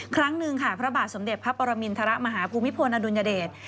ครั้งหนึ่งค่ะพระบาทสมเด็จพระปรมินทรมาฮภูมิพลอดุลยเดช